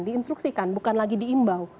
diinstruksikan bukan lagi diimbau